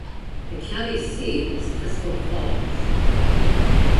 The county seat is Crystal Falls.